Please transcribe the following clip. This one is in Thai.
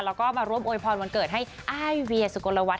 แล้วก็มาร่วมโวยพรวันเกิดให้อ้ายเวียสุกลวัฒ